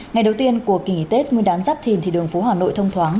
ngày đầu tiên của kỳ nghỉ tết nguyên đán giáp thìn thì đường phố hà nội thông thoáng